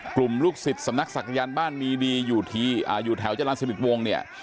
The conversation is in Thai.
กลุ่มลูกศิษย์สำนักศักยรษ์บ้านมีดีอยู่ที่อ่าอยู่แถวจรรย์สนิทวงเนี่ย